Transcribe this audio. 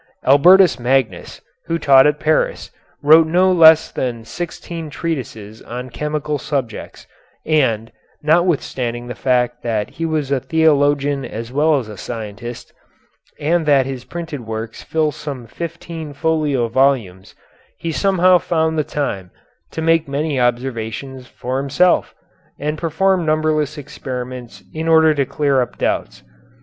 Albertus Magnus, who taught at Paris, wrote no less than sixteen treatises on chemical subjects, and, notwithstanding the fact that he was a theologian as well as a scientist, and that his printed works fill some fifteen folio volumes, he somehow found the time to make many observations for himself, and performed numberless experiments in order to clear up doubts.